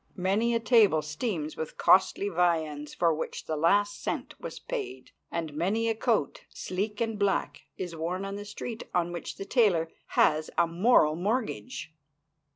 Many a table steams with costly viands for which the last cent was paid; and many a coat, sleek and black, is worn on the street on which the tailor has a moral mortgage.